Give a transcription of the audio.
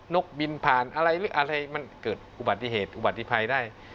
นกบินผ่านอะไรมันเกิดอุบัติภัยได้